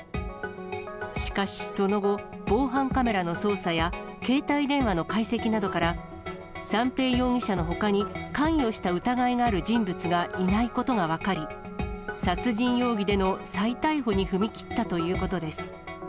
しかし、その後、防犯カメラの捜査や、携帯電話の解析などから、三瓶容疑者のほかに関与した疑いがある人物がいないことが分かり、殺人容疑での再逮捕に踏み切ったということです。